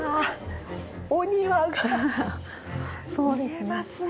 お庭が見えますね！